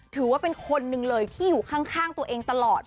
ถือว่าเป็นคนหนึ่งเลยที่อยู่ข้างตัวเองตลอด